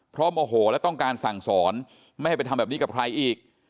เพราะโมโหและต้องการสั่งสอนไม่ให้ไปทำแบบนี้กับใครอีก